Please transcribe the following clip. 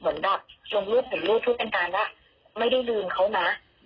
ขอลักษณ์ให้มาที่โรงพยาบาลอีกทีหนึ่งคือ